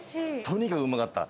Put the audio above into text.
とにかくうまかった。